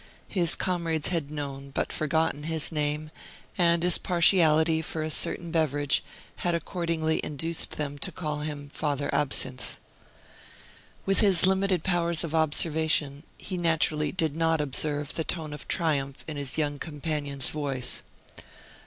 His comrades had known, but had forgotten, his name, and his partiality for a certain beverage had accordingly induced them to call him "Father Absinthe." With his limited powers of observation, he naturally did not observe the tone of triumph in his young companion's voice.